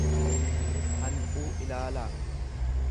hanquu ilaalaa.